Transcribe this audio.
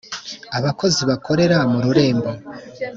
abakozi bakorera mu rurembo